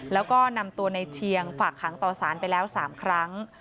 แล้วก็นำตัวในเชียงฝากขังต่อสารไปแล้ว๓ครั้ง